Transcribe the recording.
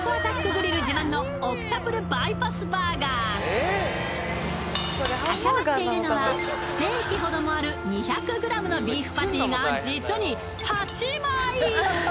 グリル自慢の挟まっているのはステーキほどもある２００ｇのビーフパティが実に８枚！